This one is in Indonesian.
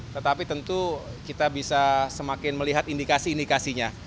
tetapi tentu kita bisa semakin melihat indikasi indikasinya